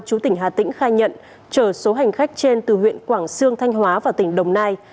chú tỉnh hà tĩnh khai nhận chở số hành khách trên từ huyện quảng sương thanh hóa vào tỉnh đồng nai